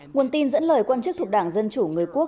nguồn tin dẫn lời quan chức thuộc đảng dân chủ người quốc